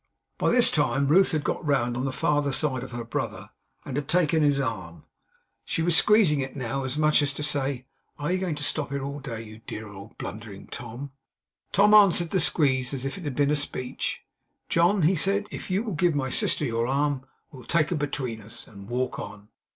By this time Ruth had got round on the farther side of her brother, and had taken his arm. She was squeezing it now, as much as to say 'Are you going to stop here all day, you dear, old, blundering Tom?' Tom answered the squeeze as if it had been a speech. 'John,' he said, 'if you'll give my sister your arm, we'll take her between us, and walk on.